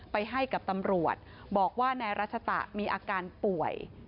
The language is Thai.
ไปให้กับตำรวจบอกว่านายรัชตะมีอาการป่วย